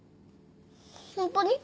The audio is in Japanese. ホントに？